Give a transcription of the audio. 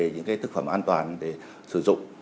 những sản phẩm an toàn để sử dụng